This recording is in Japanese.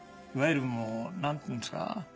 いわゆる何ていうんですか。